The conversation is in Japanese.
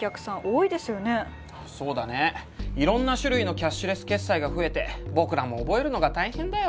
いろんな種類のキャッシュレス決済が増えて僕らも覚えるのが大変だよ。